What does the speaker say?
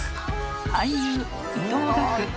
［俳優伊藤楽。